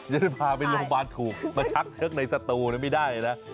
จะได้พาไปโรงพยาบาลถูกมาชักเชิกใดศศัตรูนั้นไม่ได้นะ